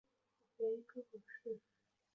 原因刚好是